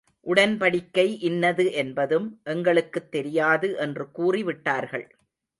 உடன்படிக்கை இன்னது என்பதும், எங்களுக்குத் தெரியாது என்று கூறி விட்டார்கள்.